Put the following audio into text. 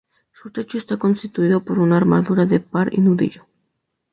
Su techo está constituido por una armadura de par y nudillo.